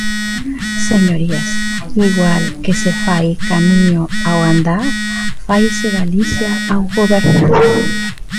Señorías, igual que se fai camiño ao andar, faise Galicia ao gobernar.